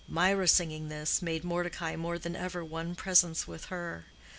Mirah singing this, made Mordecai more than ever one presence with her.